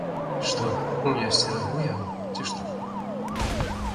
Што, я сцерагу яго, ці што?